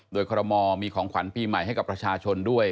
โดยคอรมอลมีของขวัญปีใหม่ให้กับประชาชนด้วย